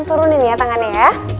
turunin ya tangannya ya